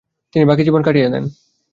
তিনি বাকী জীবন কাটিয়ে দেন।